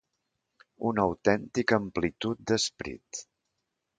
Una autèntica amplitud d'esperit